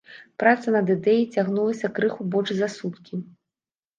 Праца над ідэяй цягнулася крыху больш за суткі.